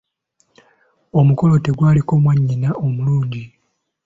Omukolo tegwaliko mwannyina omulungi.